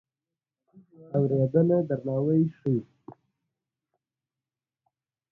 اورېدنه درناوی ښيي.